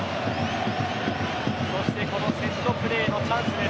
そして、このセットプレーのチャンスです。